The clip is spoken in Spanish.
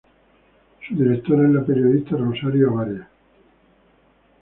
Su directora es la periodista Rosario Avaria.